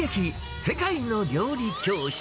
世界の料理教室。